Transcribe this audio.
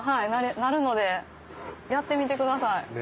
なるのでやってみてください。